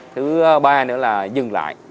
thứ ba nữa là dừng lại